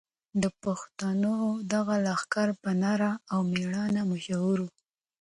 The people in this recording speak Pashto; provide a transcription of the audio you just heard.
د پښتنو دغه لښکر په نره او مېړانه مشهور و.